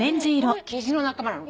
キジの仲間なの。